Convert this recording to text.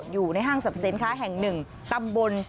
อยู่ในห้างสำเสร็จค้าแห่ง๑ตำบล